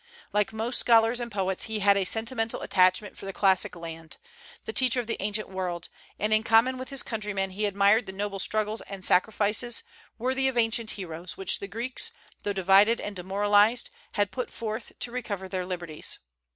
Like most scholars and poets, he had a sentimental attachment for the classic land, the teacher of the ancient world; and in common with his countrymen he admired the noble struggles and sacrifices, worthy of ancient heroes, which the Greeks, though divided and demoralized, had put forth to recover their liberties.